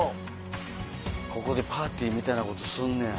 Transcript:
ここでパーティーみたいなことすんねや。